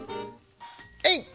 えいっ。